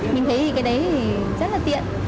mình thấy cái đấy rất tiện